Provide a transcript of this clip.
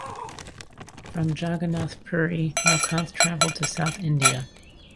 From Jagannath Puri, Nilkanth traveled to South India.